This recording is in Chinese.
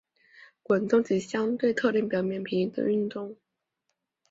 滚动及相对特定表面平移的的运动。